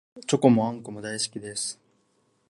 チョコもあんこも大好きです